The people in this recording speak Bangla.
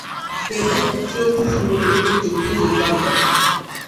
এরপর মুক্তিযুদ্ধ শুরু হলে তিনি যুদ্ধে যোগদান করেন।